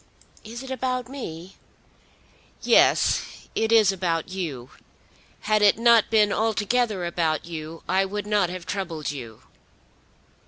"Is it about me?" "Yes; it is about you. Had it not been altogether about you I would not have troubled you."